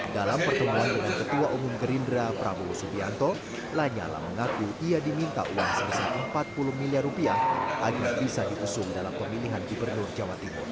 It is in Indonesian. dalam pertemuan dengan ketua umum gerindra prabowo subianto lanyala mengaku ia diminta uang sebesar empat puluh miliar rupiah agar bisa diusung dalam pemilihan gubernur jawa timur